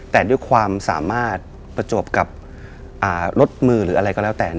แต่ด้วยความสามารถประจวบกับรถมือหรืออะไรก็แล้วแต่